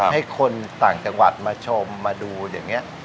ให้คนต่างจังหวัดมาชมมาดูอย่างนี้